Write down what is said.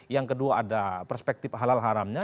yang kedua ada perspektif halal haramnya